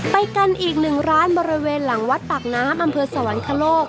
ไปกันอีกหนึ่งร้านบริเวณหลังวัดปากน้ำอำเภอสวรรคโลก